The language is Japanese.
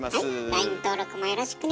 ＬＩＮＥ登録もよろしくね。